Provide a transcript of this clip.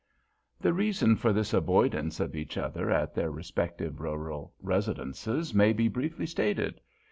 The reason for this avoidance of each other at their respective rural residences may be briefly stated.